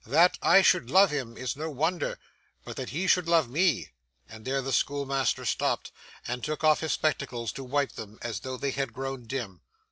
That I should love him is no wonder, but that he should love me ' and there the schoolmaster stopped, and took off his spectacles to wipe them, as though they had grown dim.